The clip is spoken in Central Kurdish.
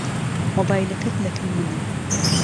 مۆبایلەکەت لەکن منە.